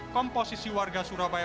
komposisi warga surabaya